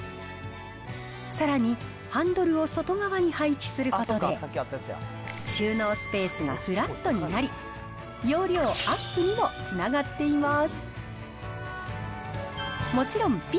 さらに、ハンドルを外側に配置することで、収納スペースがフラットになり、容量アップにもつながっています。